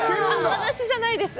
私じゃないです。